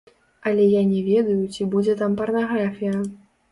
Але я не ведаю, ці будзе там парнаграфія.